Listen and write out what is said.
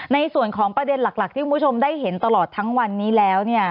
ในส่วนของประเด็นหลักที่คุณผู้ชมได้เห็นตลอดทั้งวันนี้แล้ว